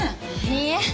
いいえ。